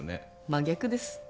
真逆です。